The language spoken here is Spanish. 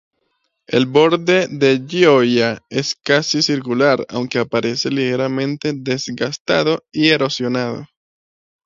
El borde de Gioia es casi circular, aunque aparece ligeramente desgastado y erosionado.